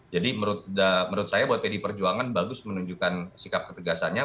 menurut saya buat pdi perjuangan bagus menunjukkan sikap ketegasannya